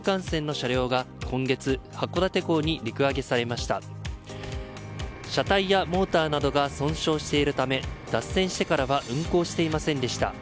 車体やモーターなどが損傷しているため脱線してからは運行していませんでした。